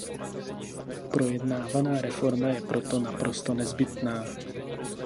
Projednávaná reforma je proto naprosto nezbytná.